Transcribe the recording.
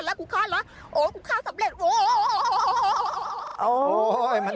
อยากรู้ไหม